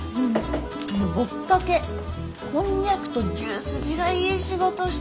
ぼっかけこんにゃくと牛スジがいい仕事してます。